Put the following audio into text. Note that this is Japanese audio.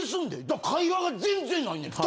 だから会話が全然ないねん。